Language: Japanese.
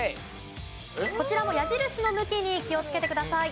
こちらも矢印の向きに気をつけてください。